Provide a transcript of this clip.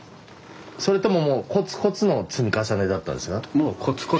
それとももうコツコツの積み重ねだったんですか？